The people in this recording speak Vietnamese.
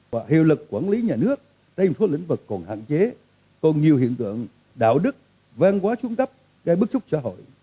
và hiệu lực quản lý nhà nước đây là một số lĩnh vực còn hạn chế còn nhiều hiện tượng đạo đức vang quá xuống tấp gây bức xúc xã hội